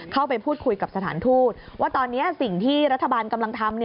เข้าไปพูดคุยกับสถานทูตว่าตอนนี้สิ่งที่รัฐบาลกำลังทำ